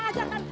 eh mau ajak kan